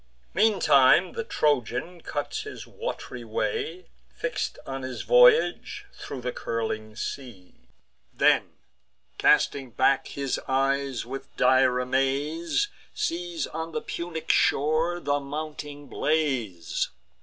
Meantime the Trojan cuts his wat'ry way, Fix'd on his voyage, thro' the curling sea; Then, casting back his eyes, with dire amaze, Sees on the Punic shore the mounting blaze.